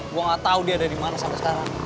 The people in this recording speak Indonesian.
gue gak tahu dia ada dimana sampai sekarang